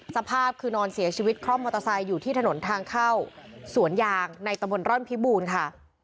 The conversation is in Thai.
สภาพคือนอนเสียชีวิตคล่อมมอเตอร์ไซค์อยู่ที่ถนนทางเข้าสวนยางในตำบลร่อนพิบูรณ์ค่ะ